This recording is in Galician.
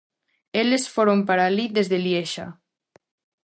Eles foron para alí desde Liexa.